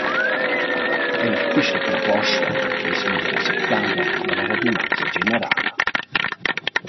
Eir quista proposta es gnüda acceptada da la radunanza generala.